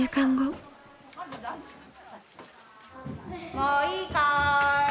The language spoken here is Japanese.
もういいかい。